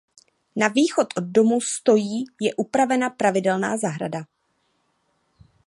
Na východ od domu stojí je upravena pravidelná zahrada.